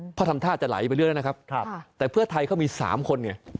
เพราะทำท่าอาจจะไหลไปเร็วนะครับแต่เพื่อไทยเค้ามี๓คนเนี่ย